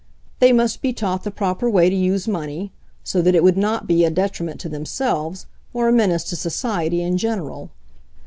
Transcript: They must be taught the proper way to use money, so that it would not be a detriment to themselves or a menace to society in general.